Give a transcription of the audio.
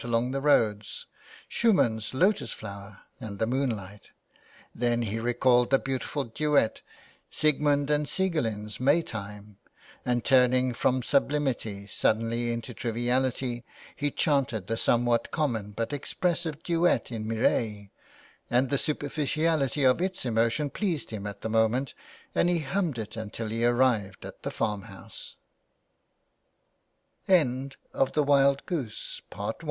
along the roads, Schumann's Lotus Flozver and The Moonlight. Then he recalled the beautiful duet, Siegmund's and Sieglinde's May Tiine, and turning from sublimity suddenly into triviality he chanted the somewhat common but expressive duet in Mireille, and the superficiality of its emotion pleased him at the moment and he hummed it until he arrived at